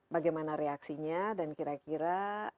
bagaimana reaksinya dan kira kira